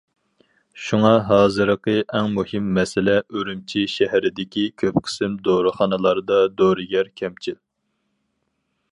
شۇڭا ھازىرقى ئەڭ مۇھىم مەسىلە، ئۈرۈمچى شەھىرىدىكى كۆپ قىسىم دورىخانىلاردا دورىگەر كەمچىل.